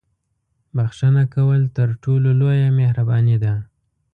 • بښنه کول تر ټولو لویه مهرباني ده.